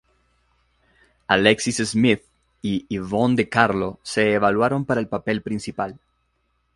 Alexis Smith y Yvonne De Carlo se evaluaron para el papel principal.